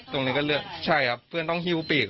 ตรงนี้ก็เลือกใช่ครับเพื่อนต้องฮิ้วปีก